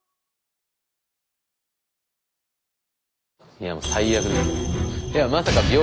いやもう最悪ですよ。